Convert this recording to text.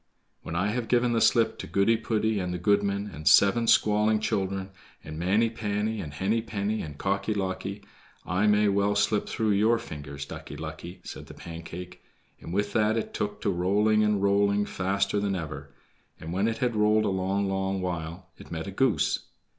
"When I have given the slip to Goody poody, and the goodman, and seven squalling children, and Manny panny, and Henny penny, and Cocky locky, I may well slip through your fingers, Ducky lucky," said the Pancake, and with that it took to rolling and rolling faster than ever; and when it had rolled a long, long while, it met a goose.